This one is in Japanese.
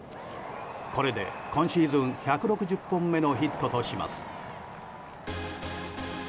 これで今シーズン１６０本目のヒットとします。